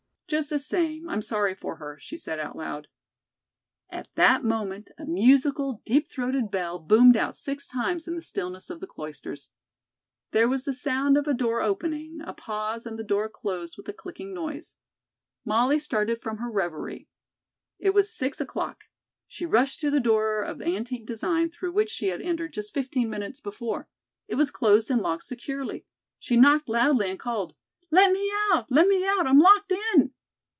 "Just the same, I'm sorry for her," she said out loud. At that moment, a musical, deep throated bell boomed out six times in the stillness of the cloisters. There was the sound of a door opening, a pause and the door closed with a clicking noise. Molly started from her reverie. It was six o'clock. She rushed to the door of antique design through which she had entered just fifteen minutes before. It was closed and locked securely. She knocked loudly and called: "Let me out! Let me out! I'm locked in!"